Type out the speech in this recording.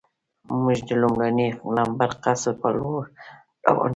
موږ د لومړي لمبر قصر په لور روان شو.